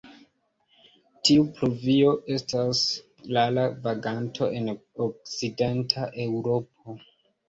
Tiu pluvio estas rara vaganto en okcidenta Eŭropo.